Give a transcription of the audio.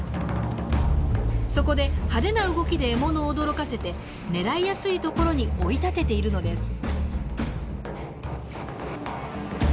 そこで派手な動きで獲物を驚かせて狙いやすいところに追いたてているのです。